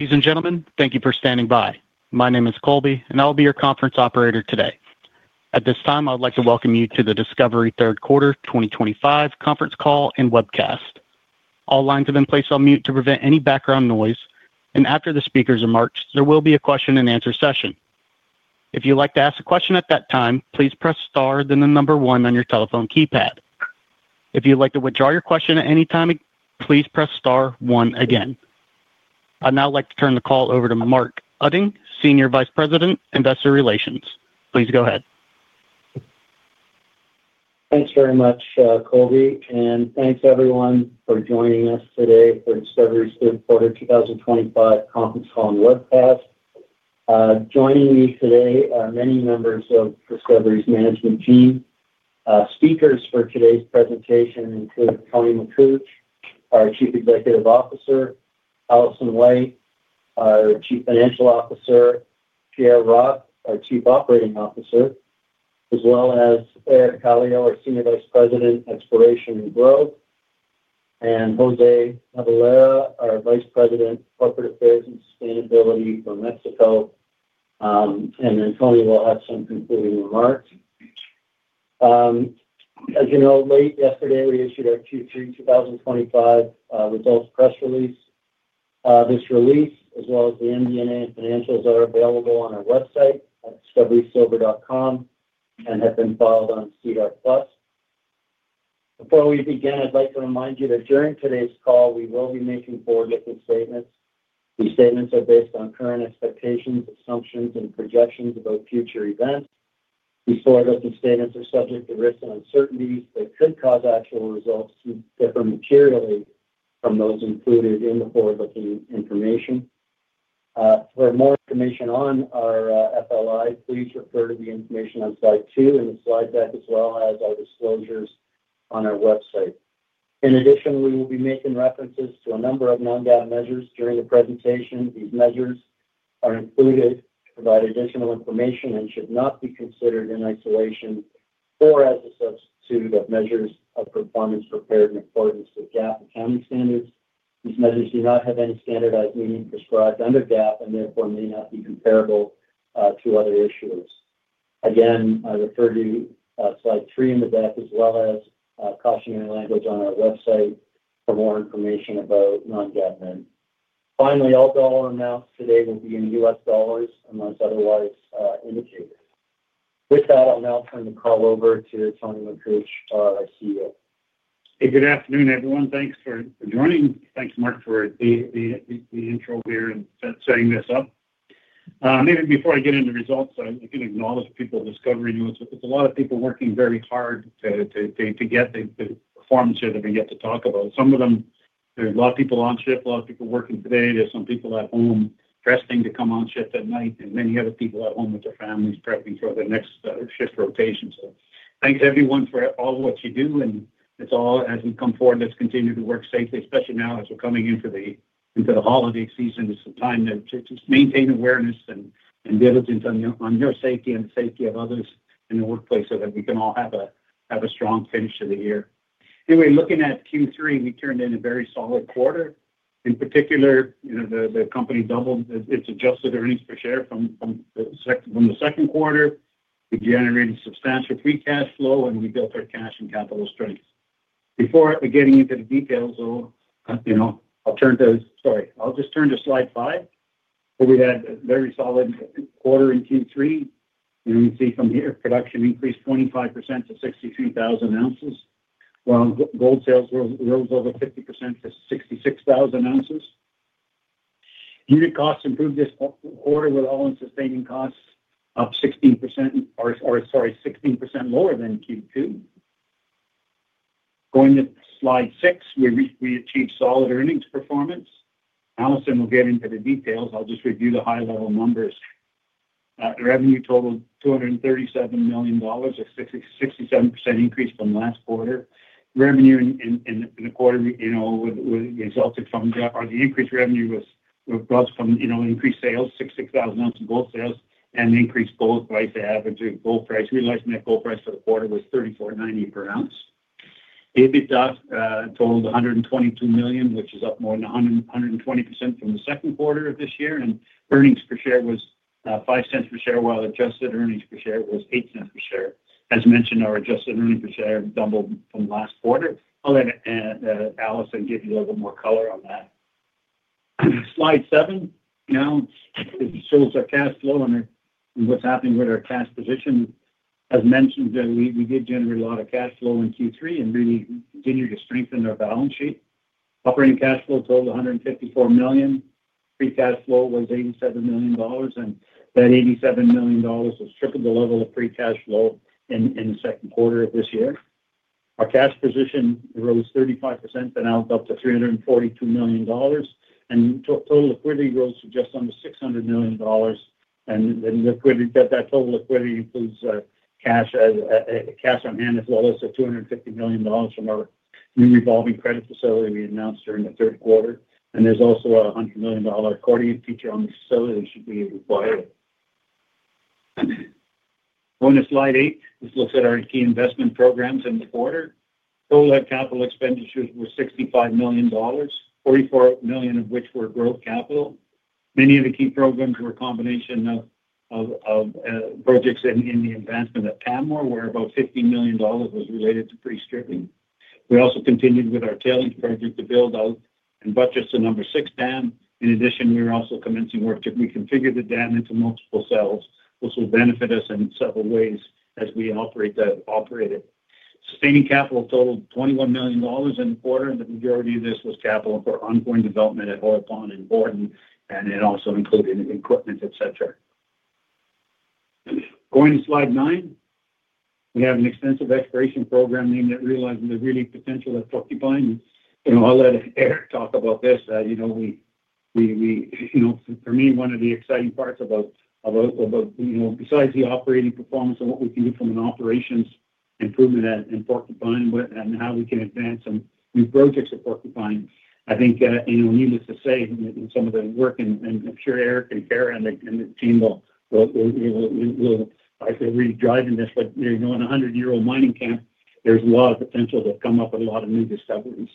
Ladies and gentlemen, thank you for standing by. My name is Colby, and I'll be your conference operator today. At this time, I would like to welcome you to the Discovery Third Quarter 2025 Conference Call and Webcast. All lines have been placed on mute to prevent any background noise, and after the speakers' remarks, there will be a question-and-answer session. If you'd like to ask a question at that time, please press star then the number one on your telephone keypad. If you'd like to withdraw your question at any time, please press star one again. I'd now like to turn the call over to Mark Utting, Senior Vice President, Investor Relations. Please go ahead. Thanks very much, Colby, and thanks everyone for joining us today for Discovery's third quarter 2025 conference call and webcast. Joining me today are many members of Discovery's management team. Speakers for today's presentation include Tony Makuch, our Chief Executive Officer; Alison White, our Chief Financial Officer; Pierre Rocque, our Chief Operating Officer; as well as Eric Kallio, our Senior Vice President, Exploration and Growth; and José Jabalera, our Vice President, Corporate Affairs and Sustainability for Mexico. Tony will have some concluding remarks. As you know, late yesterday, we issued our Q3 2025 results press release. This release, as well as the MD&A and financials, are available on our website at discoverysilver.com and have been filed on CDAR+. Before we begin, I'd like to remind you that during today's call, we will be making forward-looking statements. These statements are based on current expectations, assumptions, and projections about future events. These forward-looking statements are subject to risks and uncertainties that could cause actual results to differ materially from those included in the forward-looking information. For more information on our FLI, please refer to the information on slide 2 in the slide deck, as well as our disclosures on our website. In addition, we will be making references to a number of non-GAAP measures during the presentation. These measures are included to provide additional information and should not be considered in isolation or as a substitute of measures of performance prepared in accordance with GAAP accounting standards. These measures do not have any standardized meaning prescribed under GAAP and therefore may not be comparable to other issuers. Again, refer to slide 3 in the deck, as well as cautionary language on our website for more information about non-GAAP measures. Finally, all dollar amounts today will be in U.S. dollars unless otherwise indicated. With that, I'll now turn the call over to Tony Makuch, our CEO. Hey, good afternoon, everyone. Thanks for joining. Thanks, Mark, for the intro here and setting this up. Maybe before I get into results, I can acknowledge people at Discovery. It's a lot of people working very hard to get the performance here that we get to talk about. Some of them, there are a lot of people on shift, a lot of people working today. There are some people at home resting to come on shift at night, and many other people at home with their families prepping for their next shift rotation. Thanks, everyone, for all of what you do. As we come forward, let's continue to work safely, especially now as we're coming into the holiday season. It's a time to maintain awareness and diligence on your safety and the safety of others in the workplace so that we can all have a strong finish to the year. Anyway, looking at Q3, we turned in a very solid quarter. In particular, the company doubled its adjusted earnings per share from the second quarter. We generated substantial free cash flow, and we built our cash and capital strength. Before getting into the details, I'll turn to—sorry, I'll just turn to slide 5, where we had a very solid quarter in Q3. We see from here, production increased 25% to 63,000 ounces, while gold sales rose over 50% to 66,000 ounces. Unit costs improved this quarter, with all-in sustaining costs 16% lower than Q2. Going to slide 6, we achieved solid earnings performance. Alison will get into the details. I'll just review the high-level numbers. Revenue totaled $237 million, a 67% increase from last quarter. Revenue in the quarter resulted from—or the increased revenue was brought from increased sales, 66,000 ounces of gold sales, and increased gold price average of gold price. Realizing that gold price for the quarter was $34.90 per ounce. EBITDA totaled $122 million, which is up more than 120% from the second quarter of this year. Earnings per share was $0.05 per share, while adjusted earnings per share was $0.08 per share. As mentioned, our adjusted earnings per share doubled from last quarter. I'll let Alison give you a little bit more color on that. Slide 7. Now, it shows our cash flow and what's happening with our cash position. As mentioned, we did generate a lot of cash flow in Q3 and really continued to strengthen our balance sheet. Operating cash flow totaled $154 million. Free cash flow was $87 million. That $87 million was triple the level of free cash flow in the second quarter of this year. Our cash position rose 35%, then up to $342 million. Total liquidity rose to just under $600 million. That total liquidity includes cash on hand, as well as the $250 million from our new revolving credit facility we announced during the third quarter. There is also a $100 million accordion feature on the facility that should be required. Going to slide 8, this looks at our key investment programs in the quarter. Total capital expenditures were $65 million, $44 million of which were growth capital. Many of the key programs were a combination of projects in the advancement of Pamour, where about $15 million was related to pre-stripping. We also continued with our tailings project to build out and buttress the number six dam. In addition, we were also commencing work to reconfigure the dam into multiple cells, which will benefit us in several ways as we operate that operator. Sustaining capital totaled $21 million in the quarter, and the majority of this was capital for ongoing development at Hoyle Pond and Borden, and it also included equipment, etc. Going to slide 9, we have an extensive exploration program that realized the really potential at Porcupine. I'll let Eric talk about this. For me, one of the exciting parts about, besides the operating performance and what we can do from an operations improvement at Porcupine and how we can advance some new projects at Porcupine, I think needless to say, some of the work—and I'm sure Eric and Pierre and the team will actually be driving this—but in a 100-year-old mining camp, there's a lot of potential to come up with a lot of new discoveries.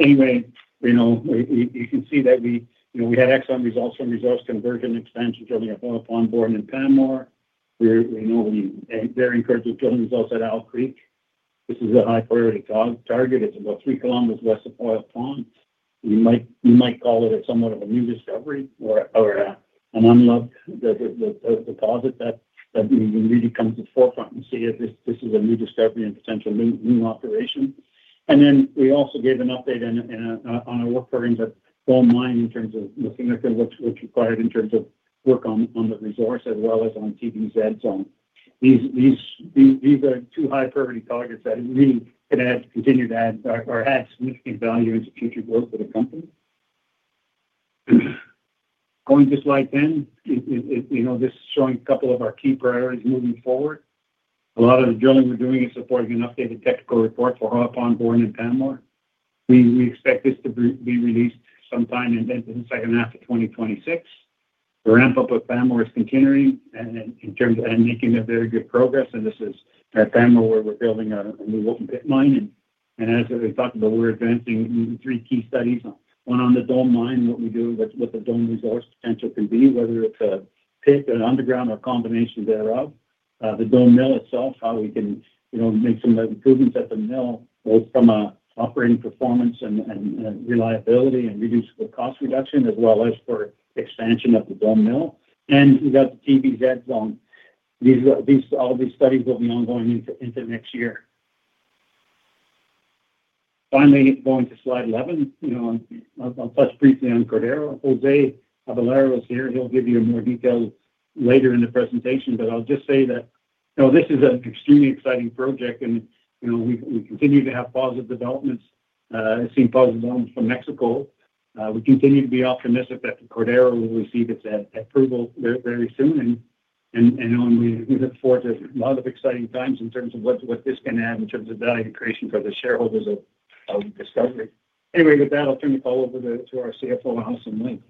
Anyway, you can see that we had excellent results from resource conversion expansion during Hoyle Pond, Borden, and Pamour. We are very encouraged with building results at Al Creek. This is a high-priority target. It's about 3 km west of Hoyle Pond. You might call it somewhat of a new discovery or an unloved deposit that really comes to the forefront. You see that this is a new discovery and potential new operation. We also gave an update on our work programs at Dome Mine in terms of looking at what is required in terms of work on the resource as well as on TBZ. These are two high-priority targets that we can continue to add or add significant value into future growth for the company. Going to slide 10, this is showing a couple of our key priorities moving forward. A lot of the drilling we are doing is supporting an updated technical report for Hoyle Pond, Borden, and Pamour. We expect this to be released sometime in the second half of 2026. The ramp-up with Pamour is continuing and making very good progress. This is at Pamour where we are building a new open pit mine. As we talked about, we are advancing three key studies. One on the Dome Mine, what we do, what the Dome resource potential can be, whether it's a pit, an underground, or a combination thereof. The Dome mill itself, how we can make some improvements at the mill both from operating performance and reliability and reduce the cost reduction as well as for expansion of the Dome mill. And we've got the TBZ zone. All these studies will be ongoing into next year. Finally, going to slide 11, I'll touch briefly on Cordero. José Jabalera was here. He'll give you more details later in the presentation. I'll just say that this is an extremely exciting project, and we continue to have positive developments. I've seen positive developments from Mexico. We continue to be optimistic that Cordero will receive its approval very soon. We look forward to a lot of exciting times in terms of what this can add in terms of value creation for the shareholders of Discovery. Anyway, with that, I'll turn the call over to our CFO, Alison White.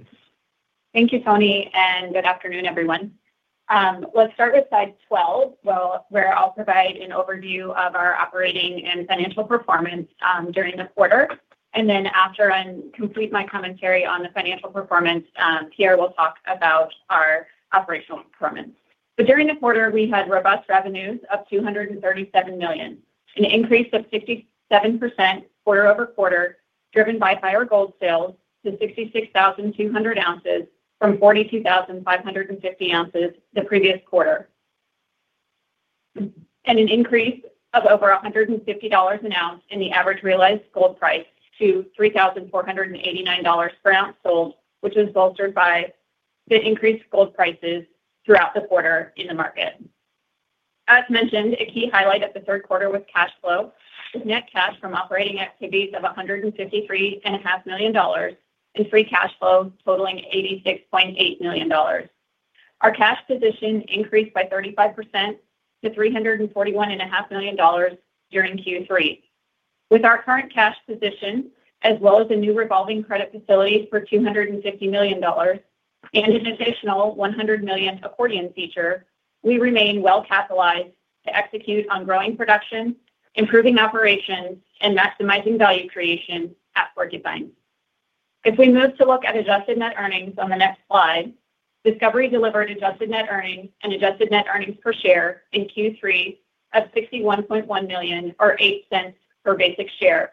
Thank you, Tony, and good afternoon, everyone. Let's start with slide 12, where I'll provide an overview of our operating and financial performance during the quarter. After I complete my commentary on the financial performance, Pierre will talk about our operational performance. During the quarter, we had robust revenues of $237 million, an increase of 67% quarter over quarter driven by higher gold sales to 66,200 ounces from 42,550 ounces the previous quarter, and an increase of over $150 an ounce in the average realized gold price to $3,489 per ounce sold, which was bolstered by the increased gold prices throughout the quarter in the market. As mentioned, a key highlight of the third quarter was cash flow. The net cash from operating activities of $153.5 million and free cash flow totaling $86.8 million. Our cash position increased by 35% to $341.5 million during Q3. With our current cash position, as well as the new revolving credit facilities for $250 million and an additional $100 million accordion feature, we remain well-capitalized to execute on growing production, improving operations, and maximizing value creation at Porcupine. If we move to look at adjusted net earnings on the next slide, Discovery delivered adjusted net earnings and adjusted net earnings per share in Q3 of $61.1 million or $0.08 per basic share,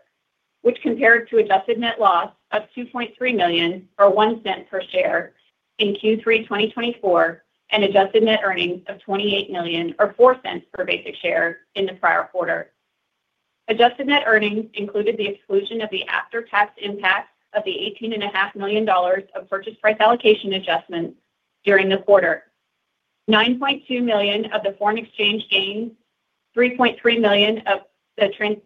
which compared to adjusted net loss of $2.3 million or $0.01 per share in Q3 2024 and adjusted net earnings of $28 million or $0.04 per basic share in the prior quarter. Adjusted net earnings included the exclusion of the after-tax impact of the $18.5 million of purchase price allocation adjustment during the quarter, $9.2 million of the foreign exchange gains, $3.3 million of the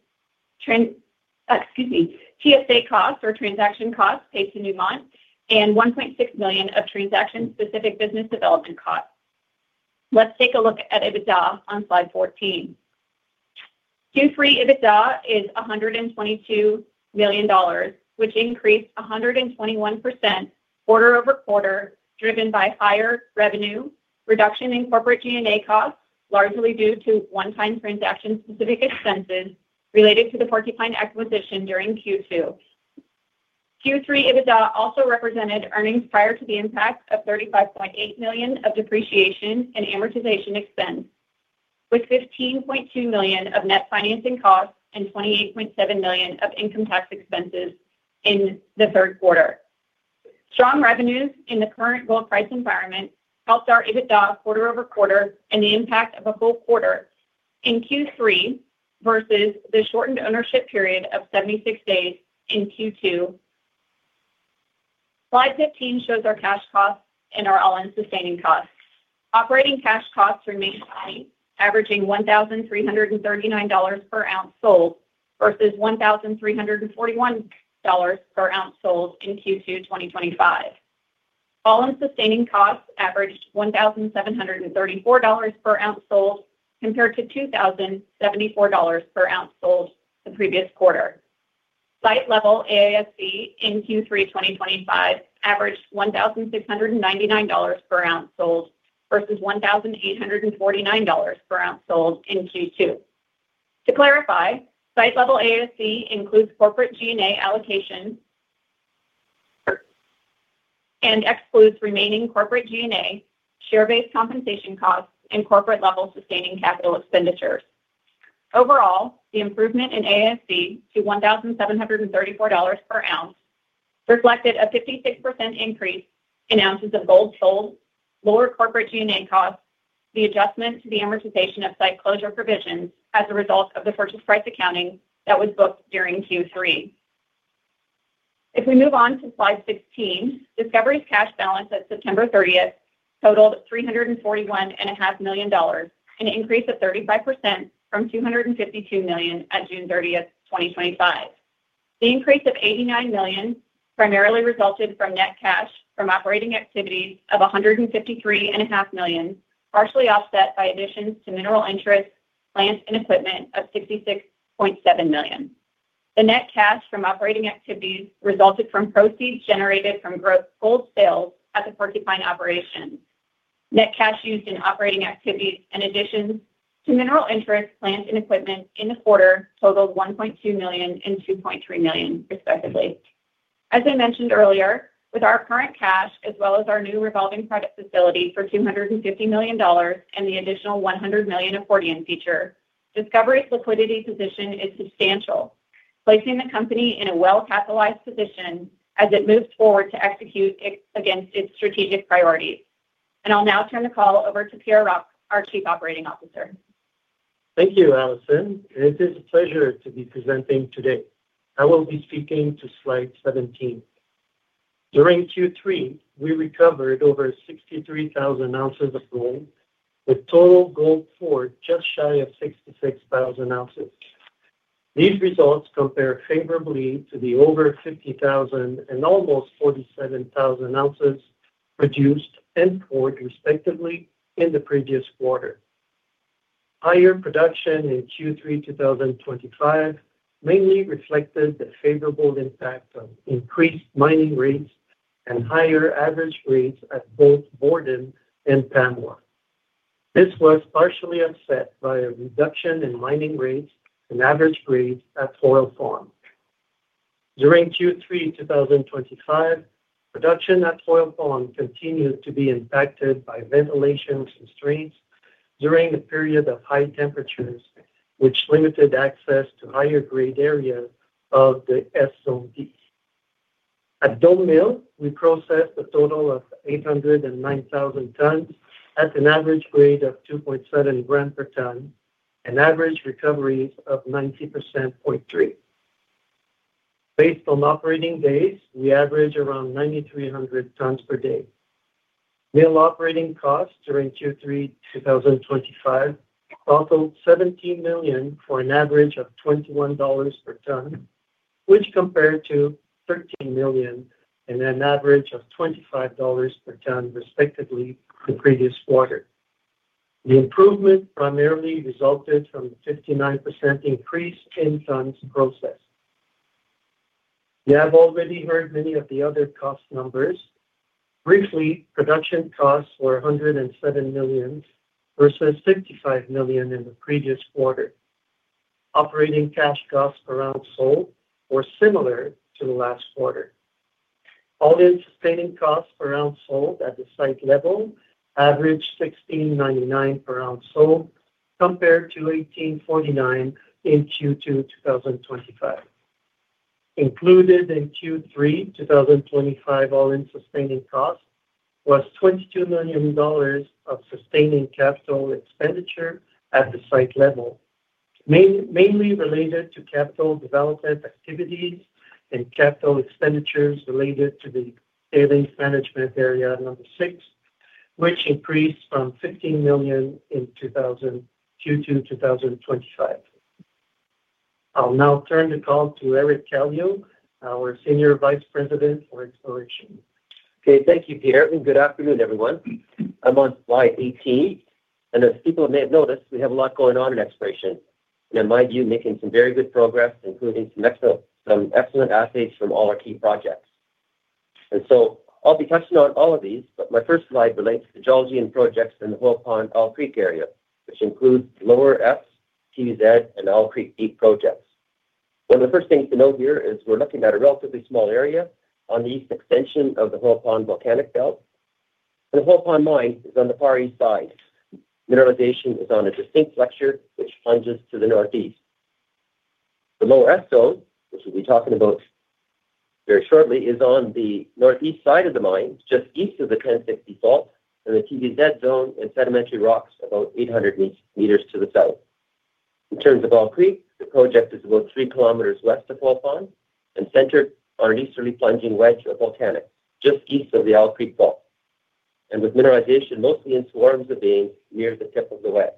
TSA costs or transaction costs paid to Newmont, and $1.6 million of transaction-specific business development costs. Let's take a look at EBITDA on slide 14. Q3 EBITDA is $122 million, which increased 121% quarter over quarter driven by higher revenue, reduction in corporate G&A costs, largely due to one-time transaction-specific expenses related to the Porcupine acquisition during Q2. Q3 EBITDA also represented earnings prior to the impact of $35.8 million of depreciation and amortization expense, with $15.2 million of net financing costs and $28.7 million of income tax expenses in the third quarter. Strong revenues in the current gold price environment helped our EBITDA quarter over quarter and the impact of a full quarter in Q3 versus the shortened ownership period of 76 days in Q2. Slide 15 shows our cash costs and our all-in sustaining costs. Operating cash costs remained steady, averaging $1,339 per ounce sold versus $1,341 per ounce sold in Q2 2025. All-in sustaining costs averaged $1,734 per ounce sold compared to $2,074 per ounce sold the previous quarter. Site-level AISC in Q3 2025 averaged $1,699 per ounce sold versus $1,849 per ounce sold in Q2. To clarify, site-level AISC includes corporate G&A allocation and excludes remaining corporate G&A, share-based compensation costs, and corporate-level sustaining capital expenditures. Overall, the improvement in AISC to $1,734 per ounce reflected a 56% increase in ounces of gold sold, lower corporate G&A costs, the adjustment to the amortization of site closure provisions as a result of the purchase price accounting that was booked during Q3. If we move on to slide 16, Discovery's cash balance at September 30th totaled $341.5 million, an increase of 35% from $252 million at June 30th, 2025. The increase of $89 million primarily resulted from net cash from operating activities of $153.5 million, partially offset by additions to mineral interests, plants, and equipment of $66.7 million. The net cash from operating activities resulted from proceeds generated from gold sales at the Porcupine operation. Net cash used in operating activities and additions to mineral interests, plants, and equipment in the quarter totaled $1.2 million and $2.3 million, respectively. As I mentioned earlier, with our current cash as well as our new revolving credit facility for $250 million and the additional $100 million accordion feature, Discovery's liquidity position is substantial, placing the company in a well-capitalized position as it moves forward to execute against its strategic priorities. I will now turn the call over to Pierre Rocque, our Chief Operating Officer. Thank you, Alison. It is a pleasure to be presenting today. I will be speaking to slide 17. During Q3, we recovered over 63,000 ounces of gold, with total gold poured just shy of 66,000 ounces. These results compare favorably to the over 50,000 and almost 47,000 ounces produced and poured, respectively, in the previous quarter. Higher production in Q3 2025 mainly reflected the favorable impact of increased mining rates and higher average rates at both Borden and Pamour. This was partially offset by a reduction in mining rates and average rates at Hoyle Pond. During Q3 2025, production at Hoyle Pond continued to be impacted by ventilation constraints during the period of high temperatures, which limited access to higher-grade areas of the SOD. At Dome Mill, we processed a total of 809,000 tons at an average grade of 2.7 grams per ton and average recoveries of 90%. Based on operating days, we average around 9,300 tons per day. Mill operating costs during Q3 2025 totaled $17 million for an average of $21 per ton, which compared to $13 million and an average of $25 per ton, respectively, the previous quarter. The improvement primarily resulted from the 59% increase in tons processed. You have already heard many of the other cost numbers. Briefly, production costs were $107 million versus $55 million in the previous quarter. Operating cash costs per ounce sold were similar to the last quarter. All-in sustaining costs per ounce sold at the site level averaged $16.99 per ounce sold compared to $18.49 in Q2 2025. Included in Q3 2025, all-in sustaining costs was $22 million of sustaining capital expenditure at the site level, mainly related to capital development activities and capital expenditures related to the savings management area number six, which increased from $15 million in Q2 2025. I'll now turn the call to Eric Kallio, our Senior Vice President for Exploration. Okay, thank you, Pierre, and good afternoon, everyone. I'm on slide 18. As people may have noticed, we have a lot going on in exploration. In my view, making some very good progress, including some excellent assays from all our key projects. I'll be touching on all of these, but my first slide relates to geology and projects in the Hoyle Pond/Al Creek area, which includes lower F, TBZ, and Al Creek deep projects. One of the first things to note here is we're looking at a relatively small area on the east extension of the Hoyle Pond volcanic belt. The Hoyle Pond mine is on the far east side. Mineralization is on a distinct flexure, which plunges to the northeast. The lower F zone, which we'll be talking about very shortly, is on the northeast side of the mine, just east of the 1060 fault, and the TBZ zone and sedimentary rocks about 800 meters to the south. In terms of Al Creek, the project is about 3 km west of Hoyle Pond and centered on an easterly plunging wedge of volcanics just east of the Al Creek fault, and with mineralization mostly in swarms of veins near the tip of the wedge.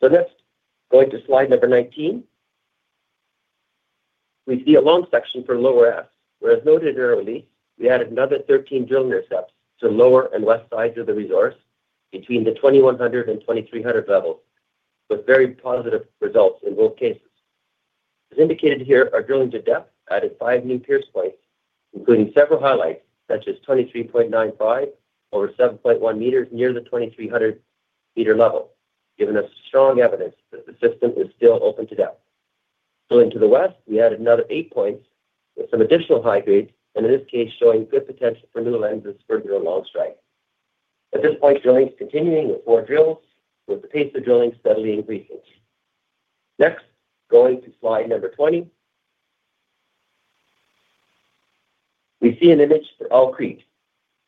Next, going to slide number 19, we see a long section for lower F, where as noted earlier, we added another 13 drill intercepts to the lower and west sides of the resource between the 2100 and 2300 levels, with very positive results in both cases. As indicated here, our drilling to depth added five new pierce points, including several highlights, such as 23.95 over 7.1 meters near the 2,300 meter level, giving us strong evidence that the system is still open to depth. Drilling to the west, we added another eight points with some additional high grades, and in this case, showing good potential for new lenses for a drill long strike. At this point, drilling is continuing with four drills, with the pace of drilling steadily increasing. Next, going to slide number 20, we see an image for Al Creek,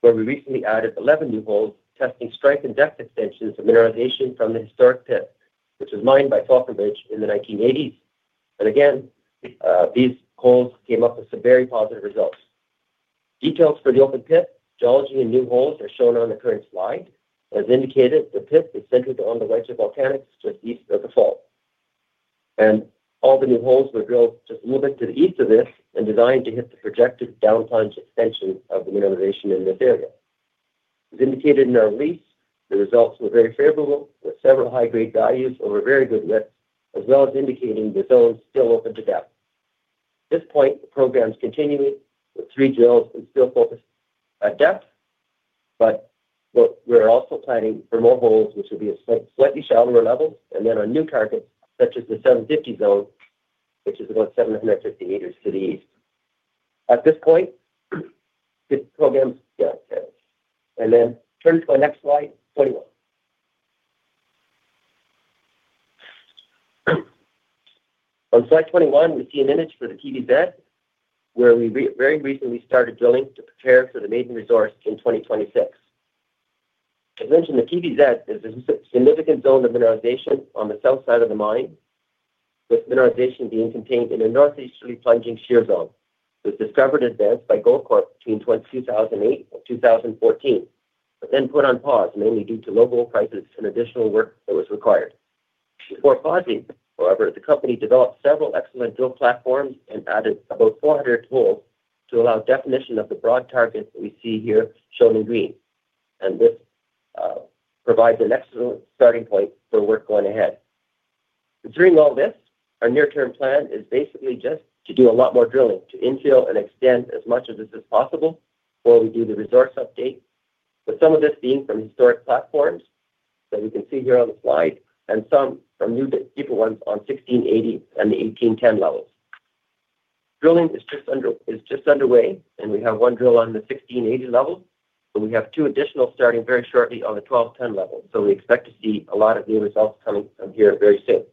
where we recently added 11 new holes testing strike and depth extensions of mineralization from the historic pit, which was mined by Falconbridge in the 1980s. Again, these holes came up with some very positive results. Details for the open pit, geology, and new holes are shown on the current slide. As indicated, the pit is centered on the wedge of volcanics just east of the fault. All the new holes were drilled just a little bit to the east of this and designed to hit the projected downplunge extension of the mineralization in this area. As indicated in our release, the results were very favorable, with several high-grade values over very good width, as well as indicating the zone is still open to depth. At this point, the program is continuing with three drills and still focused at depth, but we're also planning for more holes, which will be at slightly shallower levels, and then on new targets such as the 750 zone, which is about 750 meters to the east. At this point, the program. Yeah, okay. Turn to my next slide, 21. On slide 21, we see an image for the TBZ, where we very recently started drilling to prepare for the maiden resource in 2026. As mentioned, the TBZ is a significant zone of mineralization on the south side of the mine, with mineralization being contained in a northeasterly plunging shear zone. It was discovered and advanced by Goldcorp between 2008 and 2014, but then put on pause mainly due to low gold prices and additional work that was required. Before pausing, however, the company developed several excellent drill platforms and added about 400 holes to allow definition of the broad targets that we see here shown in green. This provides an excellent starting point for work going ahead. Considering all this, our near-term plan is basically just to do a lot more drilling to infill and extend as much of this as possible while we do the resource update, with some of this being from historic platforms that we can see here on the slide and some from new deeper ones on 1680 and the 1810 levels. Drilling is just underway, and we have one drill on the 1680 level, but we have two additional starting very shortly on the 1210 level. We expect to see a lot of new results coming from here very soon.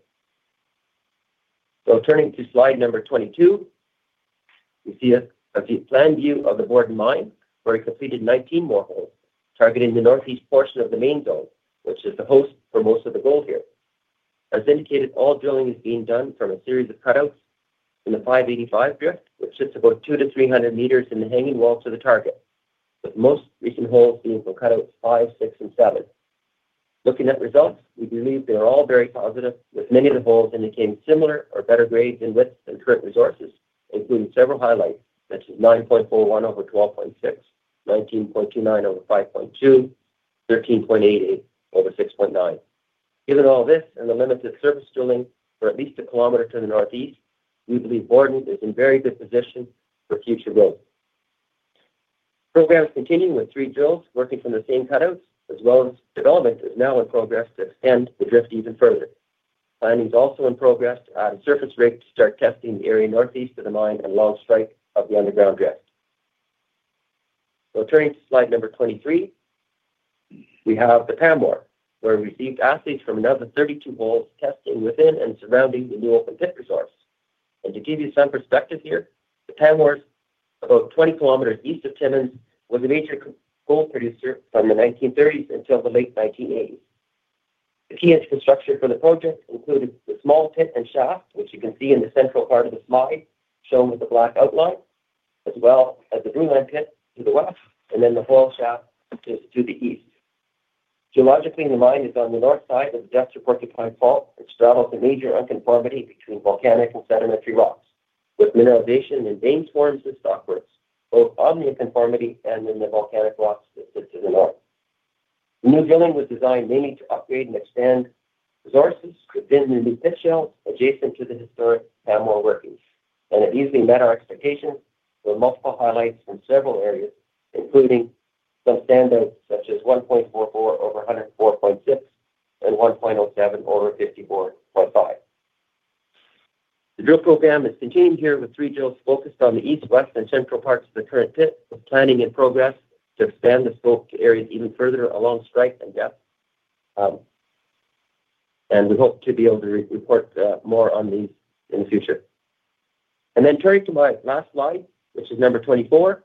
Turning to slide number 22, we see a planned view of the Borden mine, where we completed 19 more holes targeting the northeast portion of the main zone, which is the host for most of the gold here. As indicated, all drilling is being done from a series of cutouts in the 585 drift, which sits about 200-300 meters in the hanging wall to the target, with most recent holes being from cutouts 5, 6, and 7. Looking at results, we believe they are all very positive, with many of the holes indicating similar or better grades in width than current resources, including several highlights such as 9.41 over 12.6, 19.29 over 5.2, 13.88 over 6.9. Given all this and the limited surface drilling for at least 1 kilometer to the northeast, we believe Borden is in very good position for future growth. Programs continue with three drills working from the same cutouts, as well as development is now in progress to extend the drift even further. Planning is also in progress to add a surface rig to start testing the area northeast of the mine and along strike of the underground drift. Turning to slide number 23, we have the Pamour, where we received assays from another 32 holes testing within and surrounding the new open pit resource. To give you some perspective here, the Pamour is about 20 kilometers east of Timmins, was a major gold producer from the 1930s until the late 1980s. The key infrastructure for the project included the small pit and shaft, which you can see in the central part of the slide shown with the black outline, as well as the Bruelane pit to the west and then the Holt shaft to the east. Geologically, the mine is on the north side of the Destor Porcupine Fault, which straddles a major unconformity between volcanic and sedimentary rocks, with mineralization in vein swarms and stock roots, both on the unconformity and in the volcanic rocks that sit to the north. The new drilling was designed mainly to upgrade and expand resources within the new pit shells adjacent to the historic Pamour workings. It easily met our expectations with multiple highlights from several areas, including some standouts such as 1.44 over 104.6 and 1.07 over 54.5. The drill program is continuing here with three drills focused on the east, west, and central parts of the current pit, with planning in progress to expand the scope to areas even further along strike and depth. We hope to be able to report more on these in the future. Turning to my last slide, which is number 24,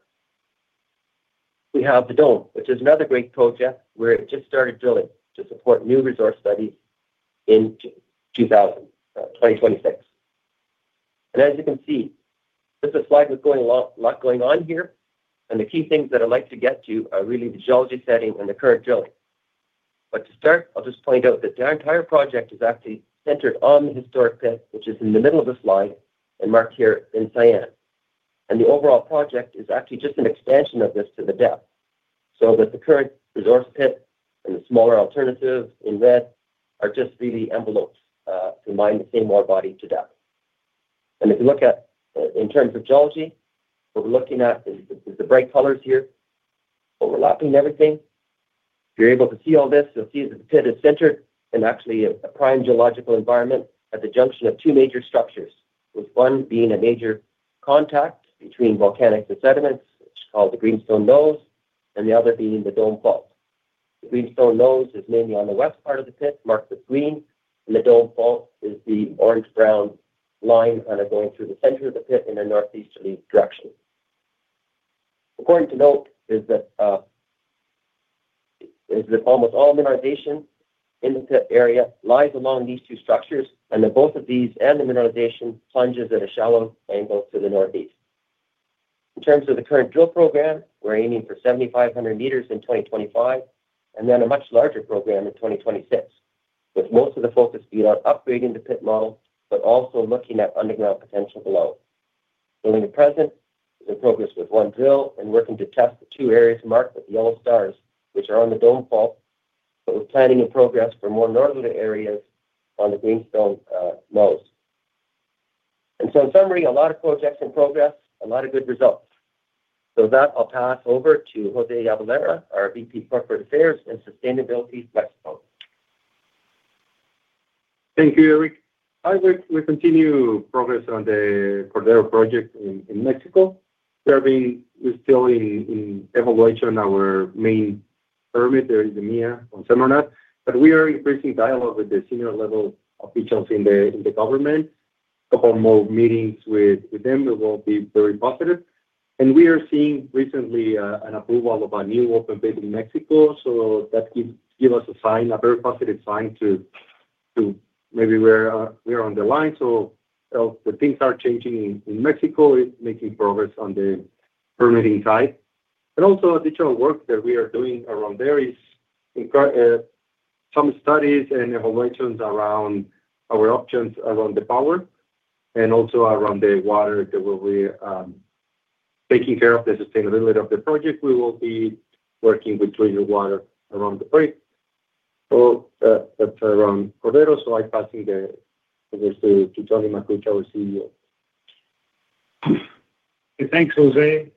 we have the Dome, which is another great project where it just started drilling to support new resource studies in 2026. As you can see, this is a slide with a lot going on here. The key things that I'd like to get to are really the geology setting and the current drilling. To start, I'll just point out that the entire project is actually centered on the historic pit, which is in the middle of the slide and marked here in cyan. The overall project is actually just an expansion of this to the depth, so that the current resource pit and the smaller alternatives in red are just really envelopes to mine the same water body to depth. If you look at in terms of geology, what we're looking at is the bright colors here overlapping everything. If you're able to see all this, you'll see that the pit is centered in actually a prime geological environment at the junction of two major structures, with one being a major contact between volcanics and sediments, which is called the Greenstone Nose, and the other being the Dome Fault. The Greenstone Nose is mainly on the west part of the pit, marked with green, and the Dome Fault is the orange-brown line kind of going through the center of the pit in a northeasterly direction. Important to note is that almost all mineralization in the pit area lies along these two structures, and that both of these and the mineralization plunges at a shallow angle to the northeast. In terms of the current drill program, we're aiming for 7,500 meters in 2025, and then a much larger program in 2026, with most of the focus being on upgrading the pit model, but also looking at underground potential below. Drilling at present is in progress with one drill and working to test the two areas marked with yellow stars, which are on the Dome Fault, with planning in progress for more northern areas on the Greenstone Nose. In summary, a lot of projects in progress, a lot of good results. With that, I'll pass over to José Jabalera, our VP Corporate Affairs and Sustainability Flex Point. Thank you, Eric. I will continue progress on the Cordero project in Mexico. We are still in evaluation on our main permit, there is a MIA on SEMARNAT, but we are increasing dialogue with the senior-level officials in the government. A couple more meetings with them will be very positive. We are seeing recently an approval of a new open pit in Mexico, so that gives us a sign, a very positive sign to maybe we are on the line. The things are changing in Mexico, making progress on the permitting side. Also, additional work that we are doing around there is some studies and evaluations around our options around the power and also around the water that will be taking care of the sustainability of the project. We will be working with drinking water around the break. That's around Cordero, so I'll pass the word to Tony Makuch, our CEO. Thanks, José.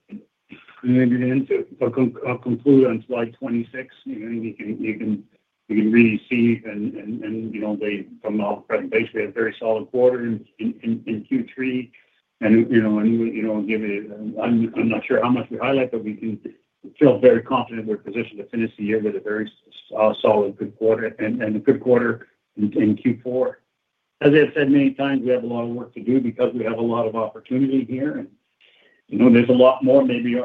I'll conclude on slide 26. You can really see, and from our presentation, we have a very solid quarter in Q3. I'm not sure how much we highlight, but we feel very confident we're positioned to finish the year with a very solid good quarter and a good quarter in Q4. As I have said many times, we have a lot of work to do because we have a lot of opportunity here. There's a lot more. Maybe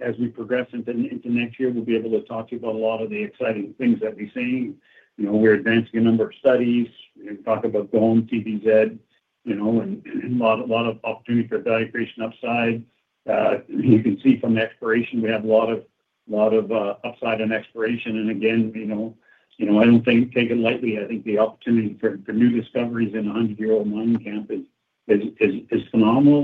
as we progress into next year, we'll be able to talk to you about a lot of the exciting things that we're seeing. We're advancing a number of studies. We talk about Dome, TBZ, and a lot of opportunity for value creation upside. You can see from the exploration, we have a lot of upside in exploration. Again, I don't take it lightly. I think the opportunity for new discoveries in a 100-year-old mining camp is phenomenal.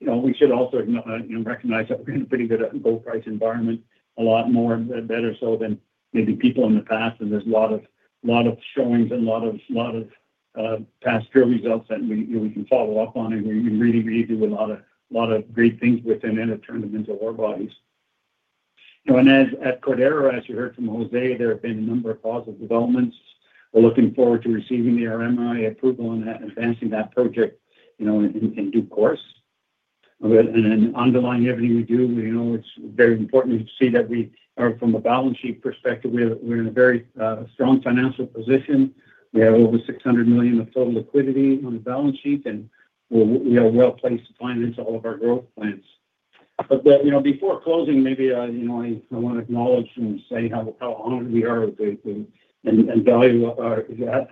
We should also recognize that we're in a pretty good gold price environment, a lot more better so than maybe people in the past. There's a lot of showings and a lot of past drill results that we can follow up on. We really, really do a lot of great things within inner turning into water bodies. At Cordero, as you heard from José, there have been a number of positive developments. We're looking forward to receiving the RMI approval and advancing that project in due course. Underlying everything we do, it's very important to see that from a balance sheet perspective, we're in a very strong financial position. We have over $600 million of total liquidity on the balance sheet, and we are well placed to finance all of our growth plans. Before closing, maybe I want to acknowledge and say how honored we are and value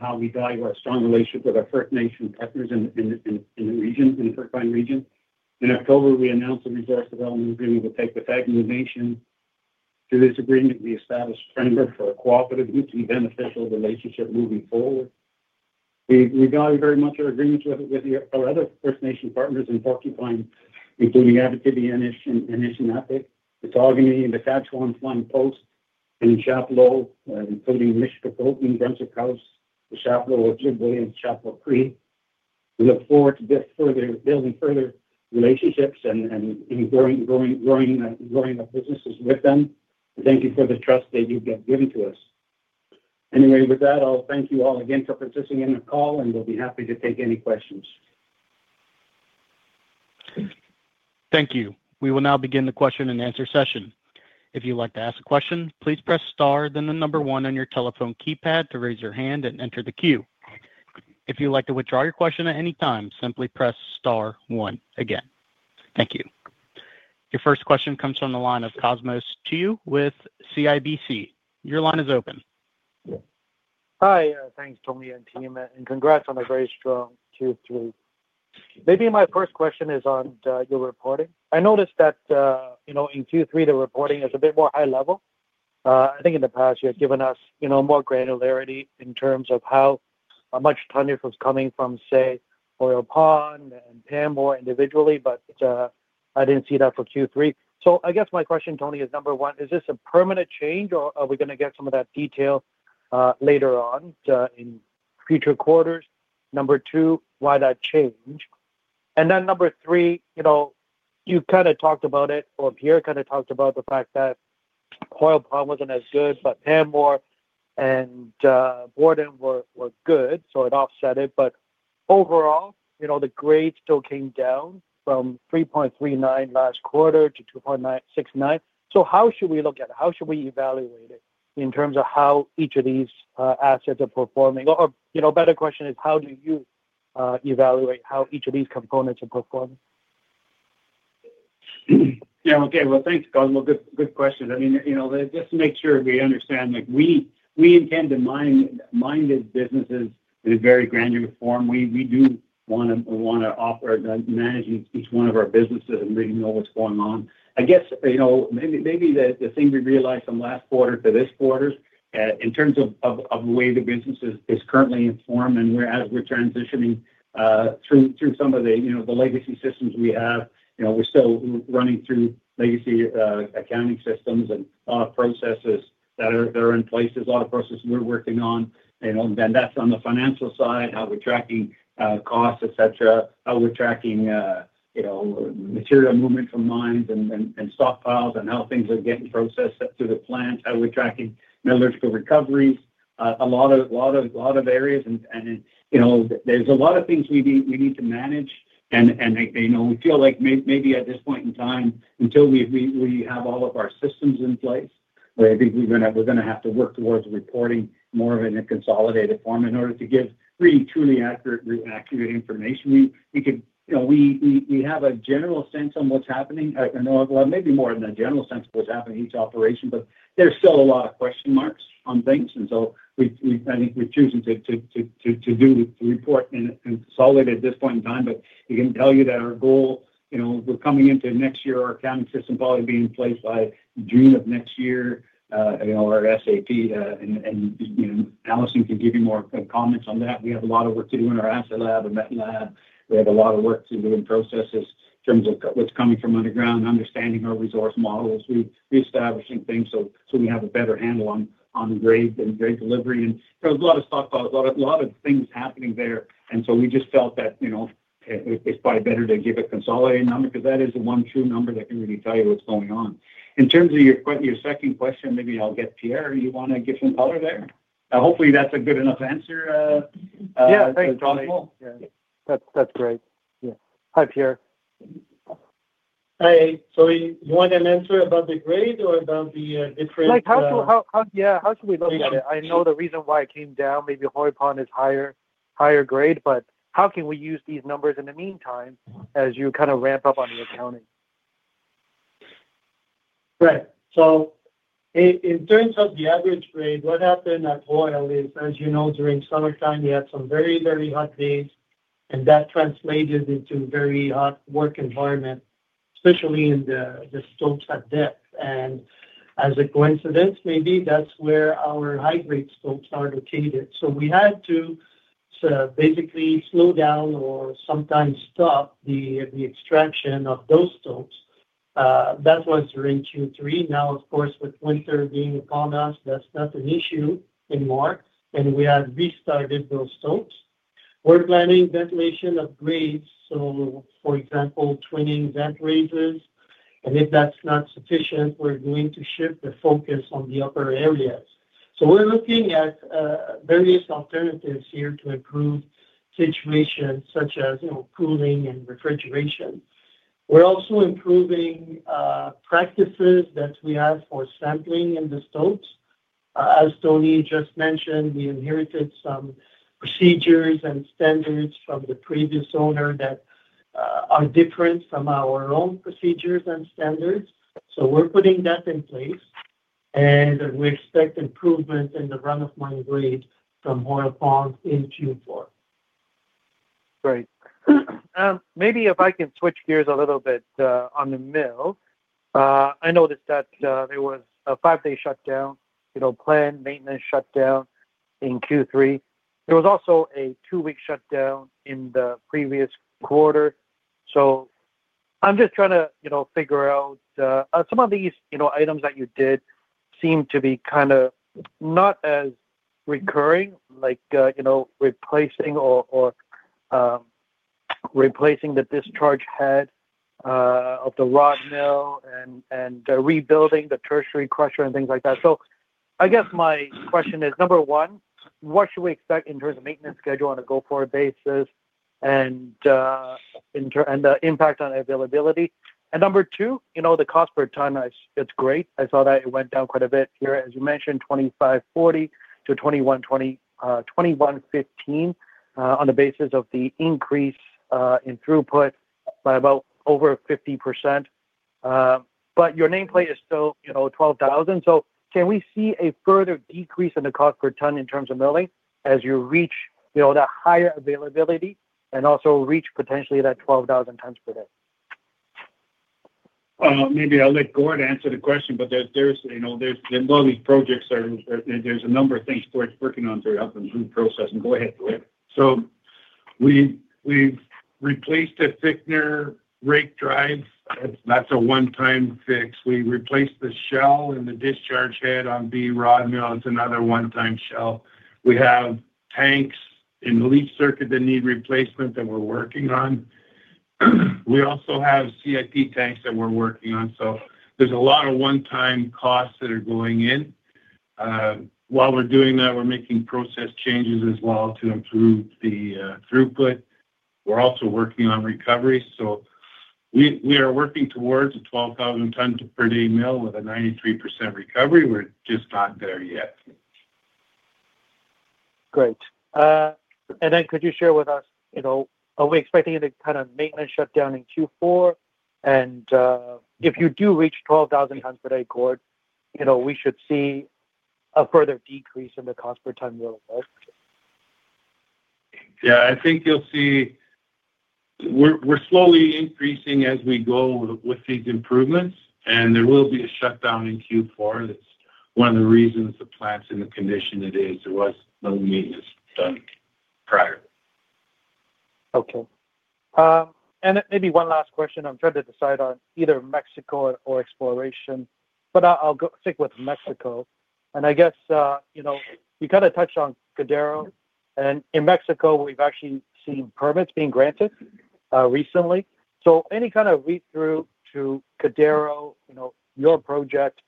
how we value our strong relationship with our First Nation partners in the region, in the Turquoise Region. In October, we announced the resource development agreement with Taykwa Tagamou Nation. Through this agreement, we established framework for a cooperative mutually beneficial relationship moving forward. We value very much our agreements with our other First Nation partners in Porcupine, including Abitibi, Anishinabek, the Teme-Augama, the Mattagami, Flying Post, and the Chapleau, including Missanabie Cree, Brunswick House, the Chapleau Ojibwe, and Chapleau Cree. We look forward to building further relationships and growing our businesses with them. Thank you for the trust that you've given to us. Anyway, with that, I'll thank you all again for participating in the call, and we'll be happy to take any questions. Thank you. We will now begin the question and answer session. If you'd like to ask a question, please press star, then the number one on your telephone keypad to raise your hand and enter the queue. If you'd like to withdraw your question at any time, simply press star one again. Thank you. Your first question comes from the line of Cosmos Chiu with CIBC. Your line is open. Hi. Thanks, Tony and team. And congrats on a very strong Q3. Maybe my first question is on your reporting. I noticed that in Q3, the reporting is a bit more high level. I think in the past, you had given us more granularity in terms of how much tonnage was coming from, say, Hoyle Pond and Pamour individually, but I did not see that for Q3. I guess my question, Tony, is number one, is this a permanent change, or are we going to get some of that detail later on in future quarters? Number two, why that change? Number three, you kind of talked about it, or Pierre kind of talked about the fact that Hoyle Pond was not as good, but Pamour and Borden were good, so it offset it. Overall, the grade still came down from 3.39 last quarter to 2.69. How should we look at it? How should we evaluate it in terms of how each of these assets are performing? Or better question is, how do you evaluate how each of these components are performing? Yeah. Okay. Thanks, Cosmos. Good question. I mean, just to make sure we understand, we intend to mind these businesses in a very granular form. We do want to offer managing each one of our businesses and really know what's going on. I guess maybe the thing we realized from last quarter to this quarter, in terms of the way the business is currently informed and as we're transitioning through some of the legacy systems we have, we're still running through legacy accounting systems and processes that are in place, a lot of processes we're working on. That's on the financial side, how we're tracking costs, et cetera, how we're tracking material movement from mines and stockpiles and how things are getting processed through the plant, how we're tracking metallurgical recoveries, a lot of areas. There's a lot of things we need to manage. We feel like maybe at this point in time, until we have all of our systems in place, I think we're going to have to work towards reporting more of it in a consolidated form in order to give really truly accurate information. We have a general sense on what's happening. Maybe more than a general sense of what's happening in each operation, but there's still a lot of question marks on things. I think we're choosing to do the report and consolidate at this point in time. I can tell you that our goal, we're coming into next year, our accounting system probably being placed by June of next year, our SAP. Alison can give you more comments on that. We have a lot of work to do in our asset lab and met lab. We have a lot of work to do in processes in terms of what's coming from underground, understanding our resource models, reestablishing things so we have a better handle on grade and grade delivery. There was a lot of stockpiles, a lot of things happening there. We just felt that it's probably better to give a consolidated number because that is the one true number that can really tell you what's going on. In terms of your second question, maybe I'll get Pierre. You want to give some color there? Hopefully, that's a good enough answer. Yeah. Thanks, Tony. That's great. Yeah. Hi, Pierre. Hi. So you want an answer about the grade or about the different? Yeah. How should we look at it? I know the reason why it came down, maybe Hoyle Pond is higher grade, but how can we use these numbers in the meantime as you kind of ramp up on the accounting? Right. In terms of the average grade, what happened at Hoyle is, as you know, during summertime, we had some very, very hot days, and that translated into a very hot work environment, especially in the stopes at depth. As a coincidence, maybe that's where our high-grade stopes are located. We had to basically slow down or sometimes stop the extraction of those stopes. That was during Q3. Now, of course, with winter being upon us, that's not an issue anymore. We have restarted those stopes. We're planning ventilation upgrades, for example, twinning vent raises. If that's not sufficient, we're going to shift the focus on the upper areas. We are looking at various alternatives here to improve situations such as cooling and refrigeration. We're also improving practices that we have for sampling in the stopes. As Tony just mentioned, we inherited some procedures and standards from the previous owner that are different from our own procedures and standards. We are putting that in place. We expect improvements in the run-of-mine grade from Hoyle Pond in Q4. Great. Maybe if I can switch gears a little bit on the mill. I noticed that there was a five-day shutdown, planned maintenance shutdown in Q3. There was also a two-week shutdown in the previous quarter. I'm just trying to figure out some of these items that you did seem to be kind of not as recurring, like replacing the discharge head of the rod mill and rebuilding the tertiary crusher and things like that. I guess my question is, number one, what should we expect in terms of maintenance schedule on a go-forward basis and the impact on availability? Number two, the cost per ton, it's great. I saw that it went down quite a bit here. As you mentioned, $2,540 to $2,115 on the basis of the increase in throughput by about over 50%. Your nameplate is still 12,000. Can we see a further decrease in the cost per ton in terms of milling as you reach that higher availability and also reach potentially that 12,000 tons per day? Maybe I'll let Gord answer the question, but there's a lot of these projects that there's a number of things we're working on throughout the group process. Go ahead, Gord. We replaced the thickener rake drive. That's a one-time fix. We replaced the shell and the discharge head on B rod mill. It's another one-time shell. We have tanks in the leach circuit that need replacement that we're working on. We also have CIP tanks that we're working on. There's a lot of one-time costs that are going in. While we're doing that, we're making process changes as well to improve the throughput. We're also working on recovery. We are working towards a 12,000-ton-per-day mill with a 93% recovery. We're just not there yet. Great. Could you share with us, are we expecting any kind of maintenance shutdown in Q4? If you do reach 12,000 tons per day, Gord, we should see a further decrease in the cost per ton mill, right? Yeah. I think you'll see we're slowly increasing as we go with these improvements. There will be a shutdown in Q4. That's one of the reasons the plant's in the condition it is. There was no maintenance done prior. Okay. Maybe one last question. I'm trying to decide on either Mexico or exploration, but I'll stick with Mexico. I guess you kind of touched on Cordero. In Mexico, we've actually seen permits being granted recently. Any kind of read-through to Cordero, your project?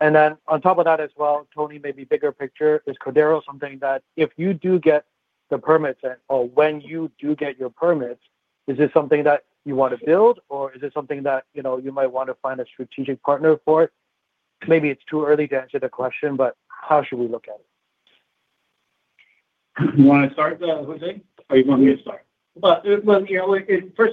On top of that as well, Tony, maybe bigger picture, is Cordero something that if you do get the permits or when you do get your permits, is it something that you want to build, or is it something that you might want to find a strategic partner for? Maybe it's too early to answer the question, but how should we look at it? You want to start, José? Or you want me to start? First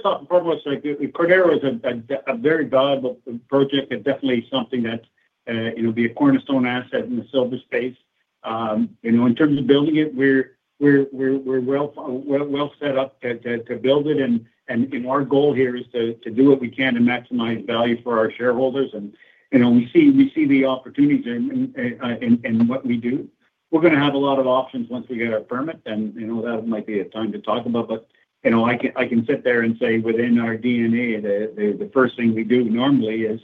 off and foremost, Cordero is a very viable project and definitely something that will be a cornerstone asset in the silver space. In terms of building it, we are well set up to build it. Our goal here is to do what we can to maximize value for our shareholders. We see the opportunities in what we do. We are going to have a lot of options once we get our permit. That might be a time to talk about. I can sit there and say, within our DNA, the first thing we do normally is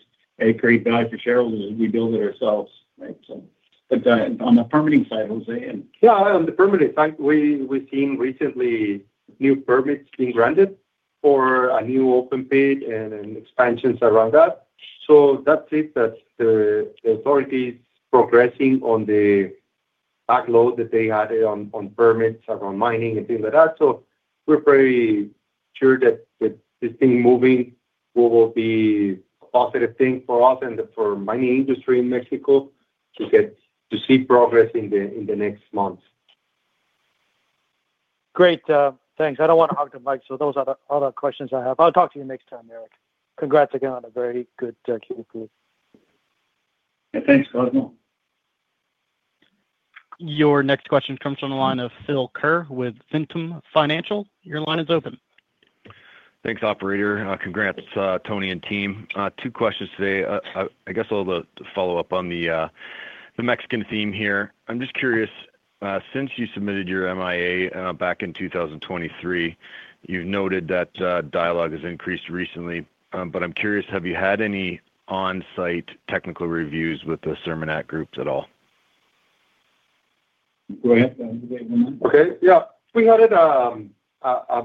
create value for shareholders as we build it ourselves. On the permitting side, José, and. Yeah. On the permitting side, we've seen recently new permits being granted for a new open pit and expansions around that. That is it. The authority is progressing on the backlog that they added on permits around mining and things like that. We're pretty sure that this thing moving will be a positive thing for us and for the mining industry in Mexico to see progress in the next months. Great. Thanks. I don't want to hog the mic. Those are the other questions I have. I'll talk to you next time, Eric. Congrats again on a very good Q3. Yeah. Thanks, Cosmos. Your next question comes from the line of Phil Kerr with Ventum Financial. Your line is open. Thanks, operator. Congrats, Tony and team. Two questions today. I guess I'll follow up on the Mexican theme here. I'm just curious, since you submitted your MIA back in 2023, you've noted that dialogue has increased recently. I'm curious, have you had any on-site technical reviews with the SEMARNAT groups at all? Go ahead. Okay. Yeah. We had a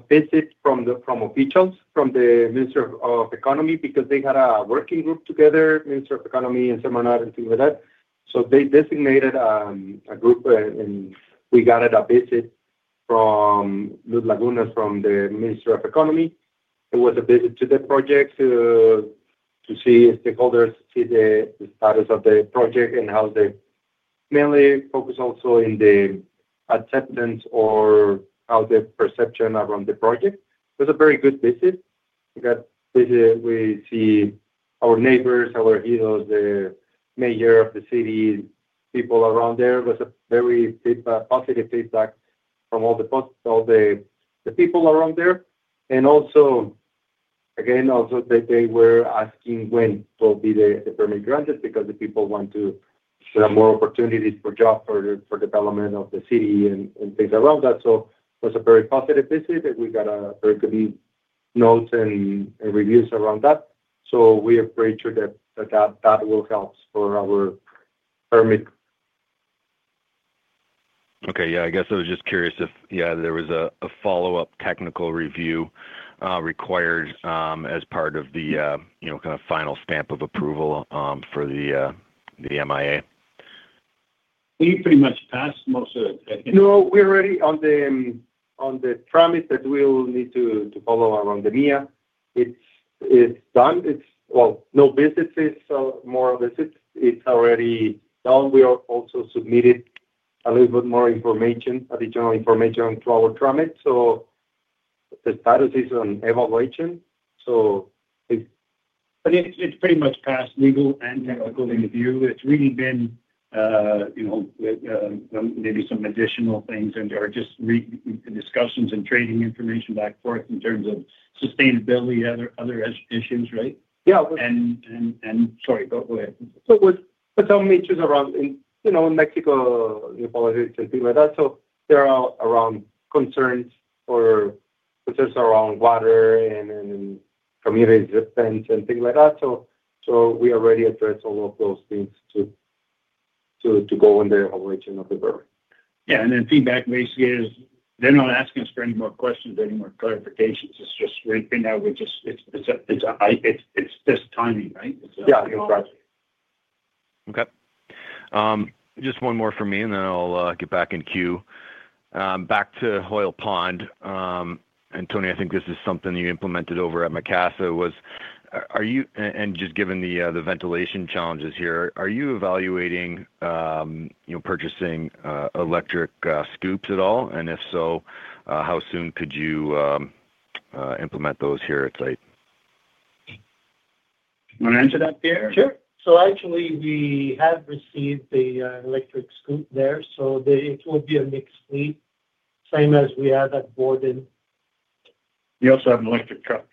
visit from officials from the Ministry of Economy because they had a working group together, Ministry of Economy and SEMARNAT and things like that. They designated a group, and we got a visit from Luz Laguna from the Ministry of Economy. It was a visit to the project to see stakeholders, see the status of the project, and how they mainly focus also in the acceptance or how the perception around the project. It was a very good visit. We see our neighbors, our heroes, the mayor of the city, people around there. It was very positive feedback from all the people around there. Also, again, they were asking when will be the permit granted because the people want to have more opportunities for jobs, for development of the city and things around that. It was a very positive visit. We got very good notes and reviews around that. We are pretty sure that will help for our permit. Okay. I guess I was just curious if there was a follow-up technical review required as part of the kind of final stamp of approval for the MIA. We pretty much passed most of it, I think. No, we're already on the tramites that we'll need to follow around the MIA. It's done. No visits, more visits. It's already done. We also submitted a little bit more information, additional information to our tramite. So the status is on evaluation. So it's. It's pretty much passed legal and technical review. It's really been maybe some additional things and just discussions and trading information back and forth in terms of sustainability, other issues, right? Yeah. Sorry, go ahead. Some issues around in Mexico, you apologize and things like that. There are concerns around water and community existence and things like that. We already addressed all of those things to go in the evaluation of the permit. Yeah. The feedback basically is they're not asking us for any more questions, any more clarifications. It's just right now, it's just timing, right? Yeah. Okay. Just one more for me, and then I'll get back in queue. Back to Hoyle Pond. Tony, I think this is something you implemented over at Macassa, and just given the ventilation challenges here, are you evaluating purchasing electric scoops at all? If so, how soon could you implement those here at site? You want to answer that, Pierre? Sure. So actually, we have received the electric scoop there. So it will be a mixed fleet, same as we have at Gord in. You also have an electric truck.